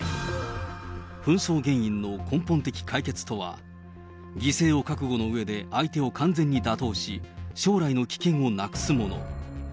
紛争原因の根本的解決とは、犠牲を覚悟のうえで、相手を完全に打倒し、将来の危険をなくすもの。